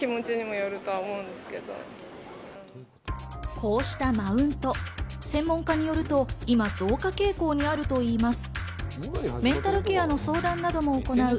こうしたマウント、専門家によると今、増加傾向にあるといいます。